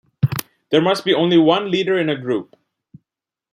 There must be only one leader in a group.